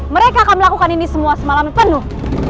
mereka akan melakukan ini semua semalam penuh